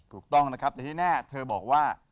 ถูกต้องนะครับแต่ที่แน่เธอบอกว่า